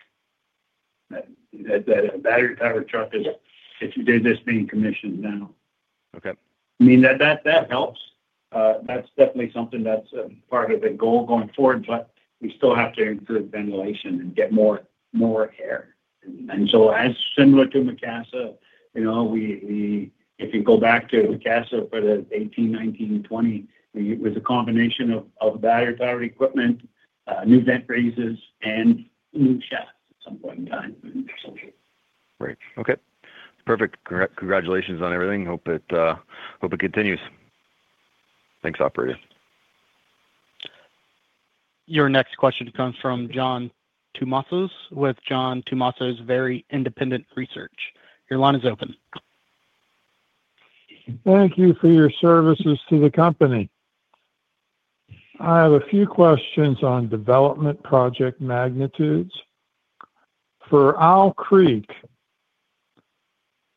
That battery-powered truck is, if you did, this being commissioned now. Okay. I mean, that helps. That's definitely something that's part of the goal going forward, but we still have to include ventilation and get more air. Similar to Macassa, if you go back to Macassa for 2018, 2019, 2020, it was a combination of battery-powered equipment, new vent raises, and new shafts at some point in time. Great. Okay. Perfect. Congratulations on everything. Hope it continues. Thanks, operator. Your next question comes from John Tumazos with John Tumazos Very Independent Research. Your line is open. Thank you for your services to the company. I have a few questions on development project magnitudes. For Al Creek,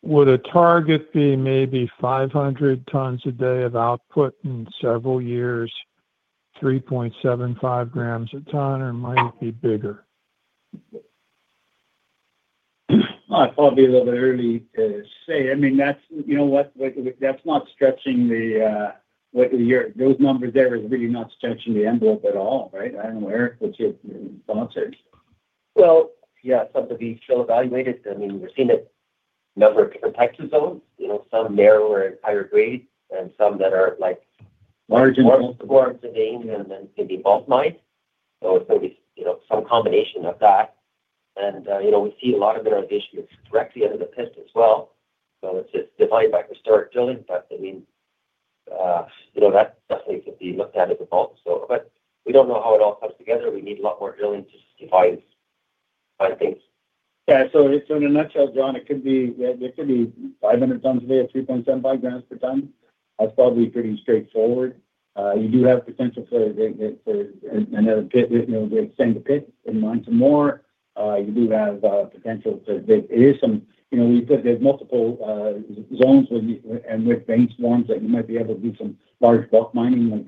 would a target be maybe 500 tons a day of output in several years, 3.75 grams a ton, or might it be bigger? I'll be a little bit early to say. I mean, you know what? That's not stretching the, those numbers there are really not stretching the envelope at all, right? I don't know where it puts your thoughts in. Yeah, some of these still evaluated. I mean, we've seen a number of different types of zones, some narrower and higher grades, and some that are like large and small. Large and large to the end, and then maybe bulk mine. So it's maybe some combination of that. I mean, we see a lot of their additions directly under the pits as well. It's just defined by historic drilling, but I mean, that definitely could be looked at as a bulk. We don't know how it all comes together. We need a lot more drilling to just divide things. Yeah. So in a nutshell, John, it could be 500 tons a day or 3.75 grams per ton. That's probably pretty straightforward. You do have potential for another pit, the extended pit in Monta More. You do have potential for it is some, we put, there's multiple zones and with base forms that you might be able to do some large bulk mining, like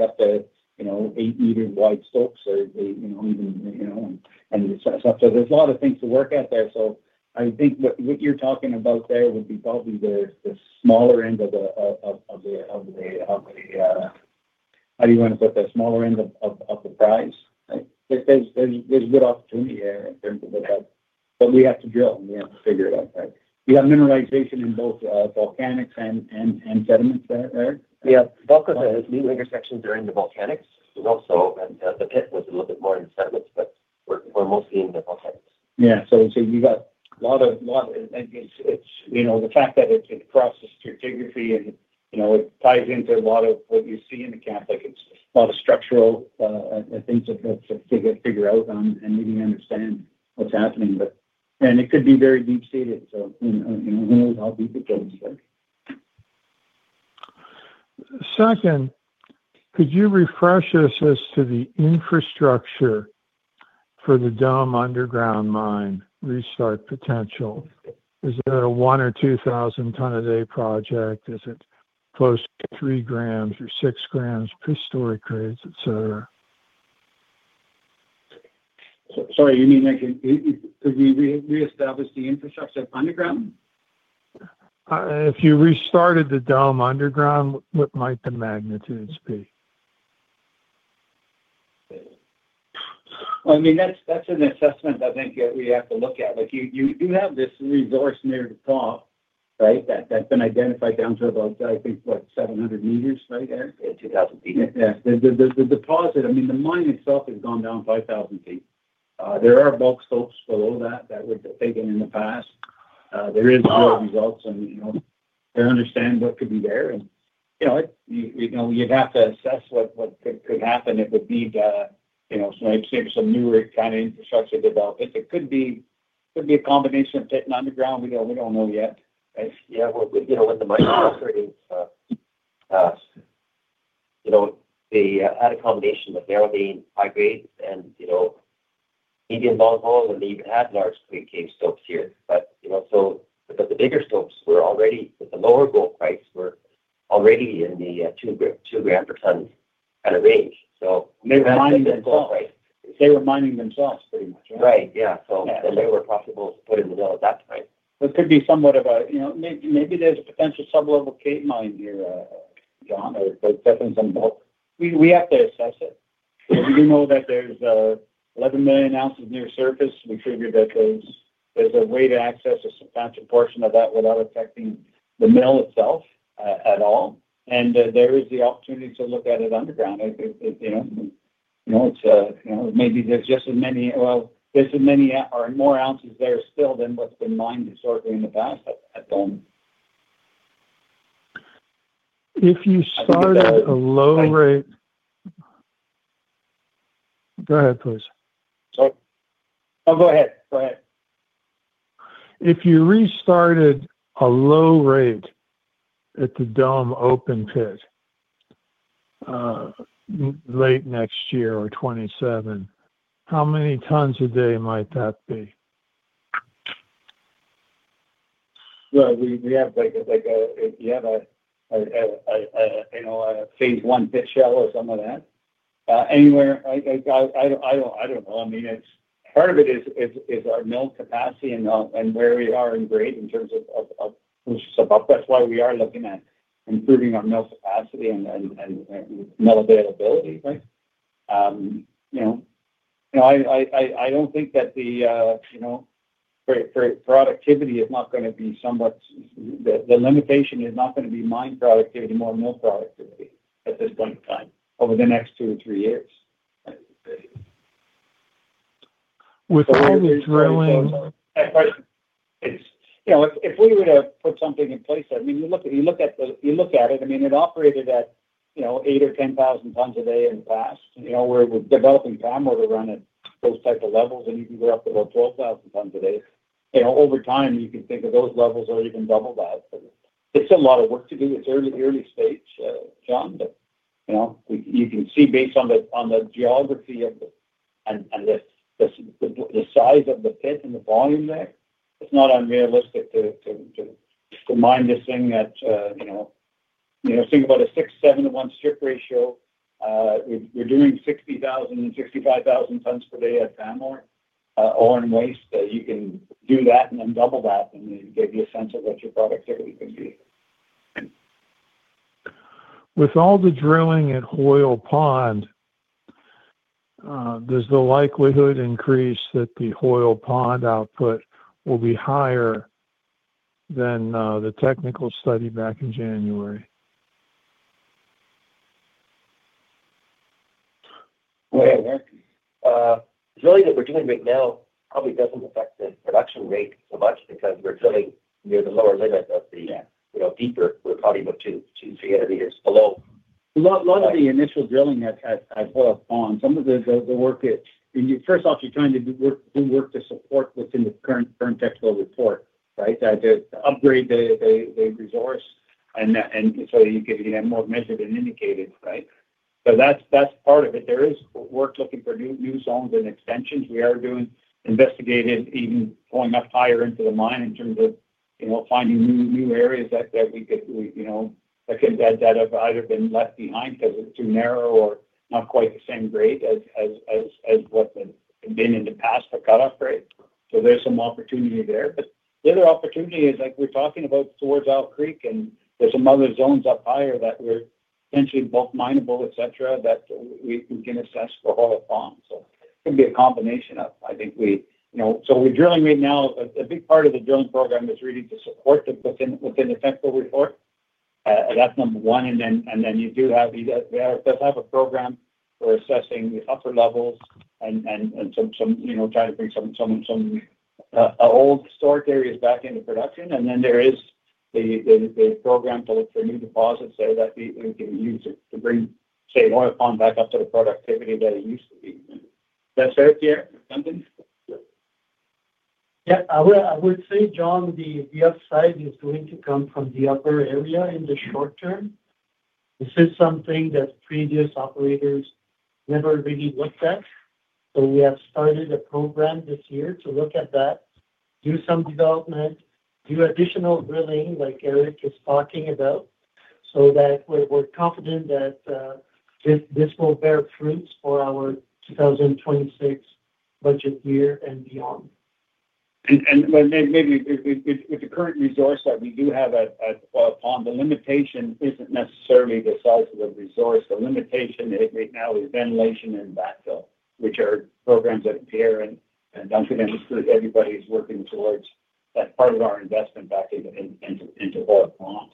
that's an 8-meter wide slope, so you can even. There's a lot of things to work at there. I think what you're talking about there would be probably the smaller end of the, how do you want to put that, smaller end of the prize. There's good opportunity here in terms of that. We have to drill and we have to figure it out, right? We have mineralization in both volcanics and sediments there, Eric? Yeah. Both of those new intersections are in the volcanics. Also, the pit was a little bit more in the sediments, but we're mostly in the volcanics. Yeah. You got a lot of it's the fact that it crosses stratigraphy and it ties into a lot of what you see in the camp. It's a lot of structural things to figure out and really understand what's happening. It could be very deep-seated. Who knows how deep it goes, right? Second, could you refresh us as to the infrastructure for the Dome Underground Mine restart potential? Is it a 1,000- or 2,000-ton-a-day project? Is it close to 3 grams or 6 grams per stope grades, etc.? Sorry, you mean could we reestablish the infrastructure of underground? If you restarted the Dome Underground, what might the magnitudes be? I mean, that's an assessment I think that we have to look at. You do have this resource near the top, right, that's been identified down to about, I think, what, 700 meters, right, Eric? Yeah, 2,000 ft. Yeah. The deposit, I mean, the mine itself has gone down 5,000 feet. There are bulk slopes below that that were taken in the past. There is real results, and they understand what could be there. You'd have to assess what could happen. It would need some newer kind of infrastructure development. It could be a combination of pit and underground. We don't know yet. Yeah. With the mining industry, the added combination of narrow-vein, high-grade, and medium volatile, and they even had large creek cave slopes here. The bigger slopes were already, with the lower gold price, were already in the 2 gram per ton kind of range. They were mining themselves, right? They were mining themselves pretty much, right? Right. Yeah. So they were possible to put in the mill at that time. It could be somewhat of a maybe there's a potential sublevel crate mine here, John, or there's definitely some bulk. We have to assess it. We do know that there's 11 million ounces near surface. We figured that there's a way to access a substantial portion of that without affecting the mill itself at all. There is the opportunity to look at it underground. It's maybe there's just as many, well, there's as many or more ounces there still than what's been mined historically in the past at Dome. If you started at a low rate, go ahead, please. Sorry. Oh, go ahead. Go ahead. If you restarted a low rate at the Dome open pit late next year or 2027, how many tons a day might that be? We have a phase one pit shell or something like that. Anywhere, I don't know. I mean, part of it is our mill capacity and where we are in grade in terms of who's above. That's why we are looking at improving our mill capacity and mill availability, right? I don't think that the productivity is not going to be somewhat the limitation is not going to be mine productivity, more mill productivity at this point in time over the next two or three years. With all the drilling. If we were to put something in place, I mean, you look at it. I mean, it operated at 8,000 or 10,000 tons a day in the past. We're developing power to run at those type of levels, and you can go up to about 12,000 tons a day. Over time, you can think of those levels are even doubled out. It's a lot of work to do. It's early stage, John, but you can see based on the geography and the size of the pit and the volume there, it's not unrealistic to mine this thing at, think about a 6, 7 to 1 strip ratio. We're doing 60,000 and 65,000 tons per day at Pamour on ore and waste. You can do that and then double that, and it gives you a sense of what your productivity is going to be. With all the drilling at Hoyle Pond, does the likelihood increase that the Hoyle Pond output will be higher than the technical study back in January? Eric. Drilling that we're doing right now probably doesn't affect the production rate so much because we're drilling near the lower limit of the deeper. We're probably about 2-300 meters below. A lot of the initial drilling at Hoyle Pond, some of the work that first off, you're trying to do work to support what's in the current technical report, right? To upgrade the resource and so you can have more measured and indicated, right? So that's part of it. There is work looking for new zones and extensions. We are investigating even going up higher into the mine in terms of finding new areas that we could that have either been left behind because it's too narrow or not quite the same grade as what had been in the past for cut-off rate. There is some opportunity there. The other opportunity is we're talking about towards Al Creek, and there are some other zones up higher that were potentially bulk minable, etc., that we can assess for Hoyle Pond. It could be a combination of, I think, we are drilling right now. A big part of the drilling program is really to support within the technical report. That is number one. Then you do have, we do have a program for assessing the upper levels and some trying to bring some old historic areas back into production. There is the program to look for new deposits so that we can use it to bring, say, Hoyle Pond back up to the productivity that it used to be. That is fair, Pierre? Something? Yeah. I would say, John, the upside is going to come from the upper area in the short term. This is something that previous operators never really looked at. We have started a program this year to look at that, do some development, do additional drilling like Eric is talking about so that we are confident that this will bear fruit for our 2026 budget year and beyond. Maybe with the current resource that we do have at Hoyle Pond, the limitation is not necessarily the size of the resource. The limitation right now is ventilation and backfill, which are programs that Pierre and Duncan and everybody is working towards. That is part of our investment back into Hoyle Pond.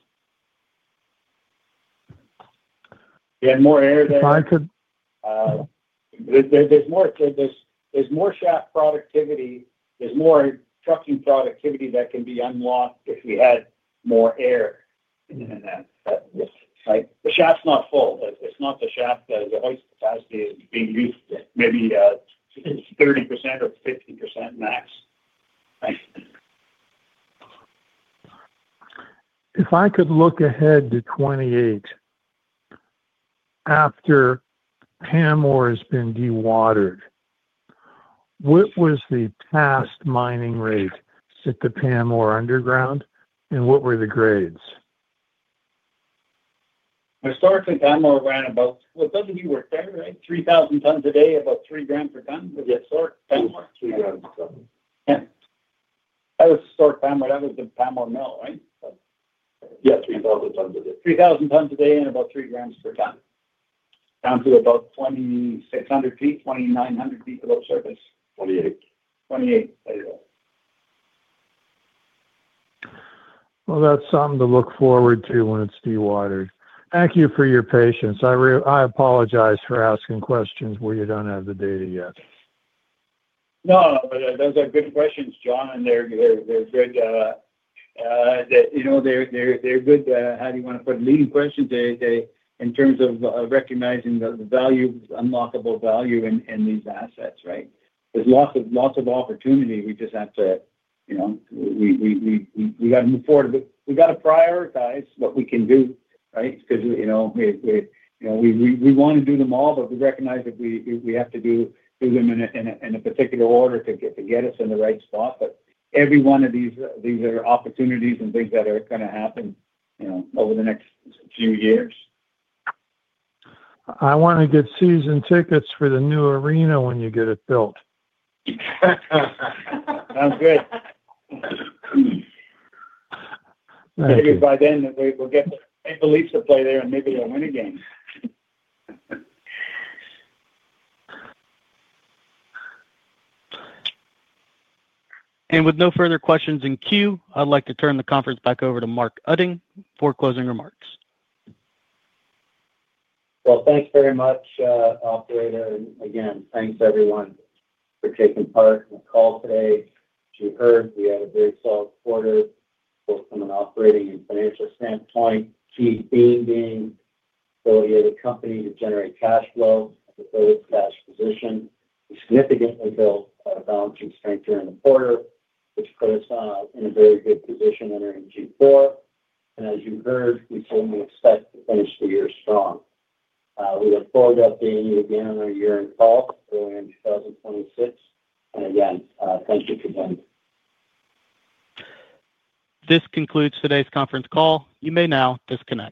You had more air, Eric? I could. There's more shaft productivity. There's more trucking productivity that can be unlocked if we had more air. The shaft's not full. It's not the shaft that the hoist capacity is being used. Maybe it's 30% or 50% max. If I could look ahead to 2028, after Pamour has been dewatered, what was the past mining rate at the Pamour Underground, and what were the grades? Historically, Pamour ran about. It doesn't do work there, right? 3,000 tons a day, about 3 grams per ton was historic Pamour? 3 grams per ton. Yeah. That was historic Pamour. That was the Pamour mill, right? Yeah. 3,000 tons a day. 3,000 tons a day and about 3 grams per ton. Down to about 2,600 feet, 2,900 feet below surface. 2,800. 2,800. That's something to look forward to when it's dewatered. Thank you for your patience. I apologize for asking questions where you don't have the data yet. No, those are good questions, John, and they're good. How do you want to put leading questions? In terms of recognizing the value, unlockable value in these assets, right? There's lots of opportunity. We just have to move forward. We got to prioritize what we can do, right? Because we want to do them all, but we recognize that we have to do them in a particular order to get us in the right spot. Every one of these are opportunities and things that are going to happen over the next few years. I want to get season tickets for the new arena when you get it built. Sounds good. Maybe by then, we'll get the Maple Leafs to play there, and maybe they'll win again. With no further questions in queue, I'd like to turn the conference back over to Mark Utting for closing remarks. Thank you very much, operator. Again, thanks everyone for taking part in the call today. As you heard, we had a very solid quarter both from an operating and financial standpoint. Key theme being affiliated company to generate cash flow as a gold cash position. We significantly built our balance sheet strength during the quarter, which put us in a very good position entering Q4. As you heard, we certainly expect to finish the year strong. We look forward to updating you again on our year-end call early in 2026. Again, thank you for joining. This concludes today's conference call. You may now disconnect.